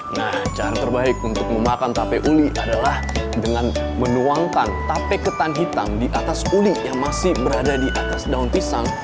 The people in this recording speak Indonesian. nah cara terbaik untuk memakan tape uli adalah dengan menuangkan tape ketan hitam di atas uli yang masih berada di atas daun pisang